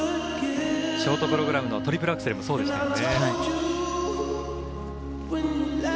ショートプログラムのトリプルアクセルもそうでしたよね。